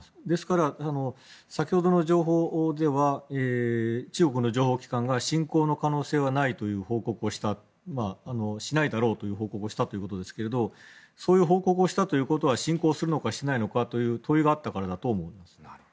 ですから、先ほどの情報では中国の情報機関が侵攻の可能性はないとしないだろうという報告をしたということですがそういう報告をしたということは侵攻するのかしないのかという問いがあったからだと思います。